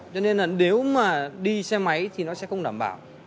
cho nên là nếu mà đi xe máy thì nó sẽ không đảm bảo